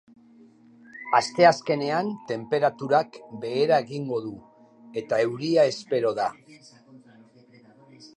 Asteazkenean, tenperaturak behera egingo du, eta euria espero da.